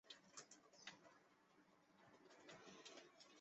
臀刺与尾刺可能覆有角质。